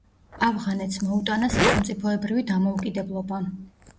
ავღანეთს მოუტანა სახელმწიფოებრივი დამოუკიდებლობა.